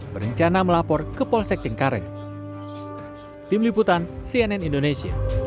berencana melapor ke polsek cengkareng